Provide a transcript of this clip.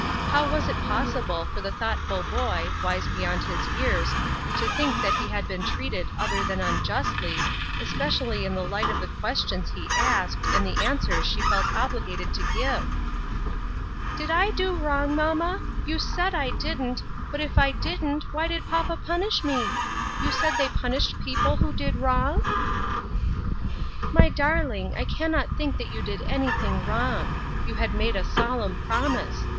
How was it possible for the thoughtful boy, wise beyond his years, to think that he had been treated other than unjustly, especially in the light of the ques tions he asked, and the answers she felt obliged to give ?" Did I do wrong, mamma ? You said I didn't. But if I didn't, why did papa punish me ? You said they punished people who did wrong ?"" My darling, I cannot think that you did any thing wrong. You had made a solemn promise.